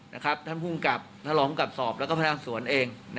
ท่านภูมิกับทหลองภูมิกับสอบและพนักส่วนเอง